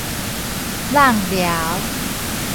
閬蹘